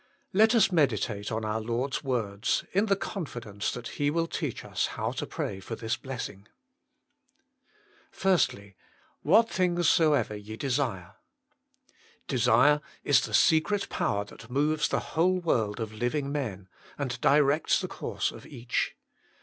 Let us meditate on our Lord s words, in the 106 THE MINISTRY OF INTERCESSION confidence that He will teach us how to pray for this blessing. 1. " What things soever ye desire" Desire is the secret power that moves the whole world of living men, and directs the course of each.